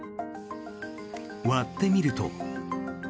割ってみると。